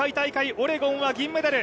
オレゴンは銀メダル。